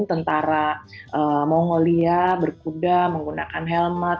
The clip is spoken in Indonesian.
tentara mongolia berkuda menggunakan helmat